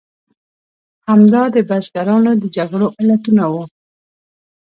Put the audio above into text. همدا د بزګرانو د جګړو علتونه وو.